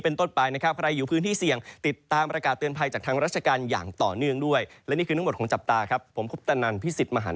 โปรดติดตามตอนต่อไป